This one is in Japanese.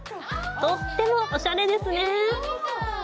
とってもおしゃれですね。